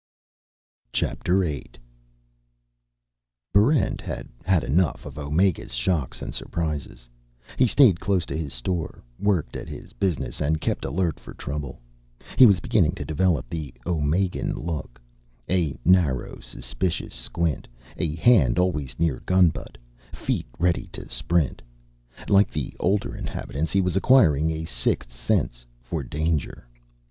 Chapter Eight Barrent had had enough of Omega's shocks and surprises. He stayed close to his store, worked at his business, and kept alert for trouble. He was beginning to develop the Omegan look: a narrow, suspicious squint, a hand always near gun butt, feet ready to sprint. Like the older inhabitants, he was acquiring a sixth sense for danger.